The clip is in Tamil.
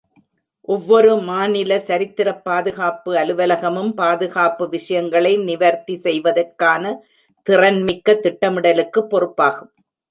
ஒவ்வொரு மாநில சரித்திரப் பாதுகாப்பு அலுவலகமும், பாதுகாப்பு விஷயங்களை நிவர்த்தி செய்வதற்கான திறன்மிக்க திட்டமிடலுக்கு பொறுப்பாகும்.